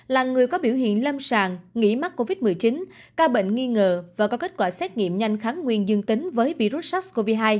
là người có biểu hiện lâm sàng nghỉ mắc covid một mươi chín ca bệnh nghi ngờ và có kết quả xét nghiệm nhanh kháng nguyên dương tính với virus sars cov hai